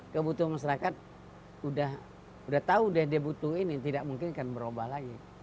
kebutuhan masyarakat sudah tahu dia butuh ini tidak mungkin akan berubah lagi